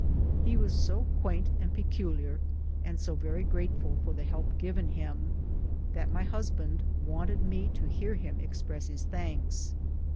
He was so quaint and peculiar, and so very grateful for the help given him, that my husband wanted me to hear him express his thanks.